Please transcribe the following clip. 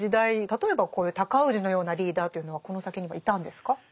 例えばこういう尊氏のようなリーダーというのはこの先にはいたんですか？